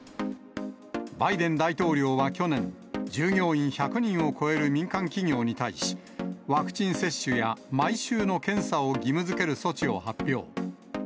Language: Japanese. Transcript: バイデン大統領は去年、従業員１００人を超える民間企業に対し、ワクチン接種や毎週の検査を義務づける措置を発表。